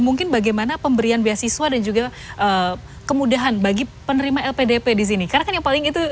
mungkin bagaimana pemberian beasiswa dan juga kemudahan bagi penerima lpdp disini kemungkin itu